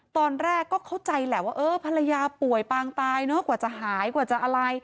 ตอนแรกก็เข้าใจแหละว่าเออภรรยาป่วยปางตายเนอะกว่าจะหายกว่าจะอะไร